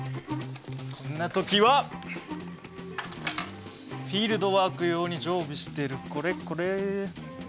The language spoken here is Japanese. こんな時はフィールドワーク用に常備しているこれこれ。